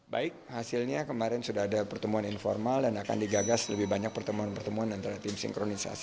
baik hasilnya kemarin sudah ada pertemuan informal dan akan digagas lebih banyak pertemuan pertemuan antara tim sinkronisasi